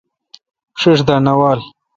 ݭݭ دا نہ وال۔